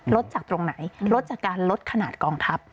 ลดจากตรงไหนลดจากการลดขนาดกองทัพ